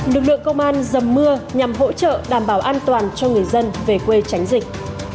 lực lượng công an dầm mưa nhằm hỗ trợ đảm bảo an toàn cho người dân về quê tránh dịch